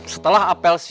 setelah apel siaga dia